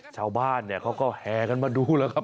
ชาวบ้านเนี่ยเขาก็แห่กันมาดูแล้วครับ